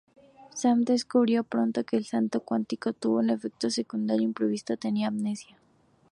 Sam descubrió pronto que el santo cuántico tuvo un efecto secundario imprevisto: tenía amnesia.